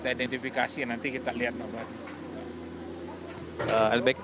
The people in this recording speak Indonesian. kita identifikasi nanti kita lihat apa